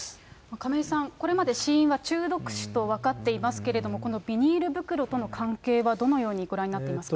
亀井さん、これまで死因は中毒死と分かっていますけれども、このビニール袋との関係はどのようにご覧になっていますか。